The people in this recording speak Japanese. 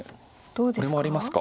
これもありますか。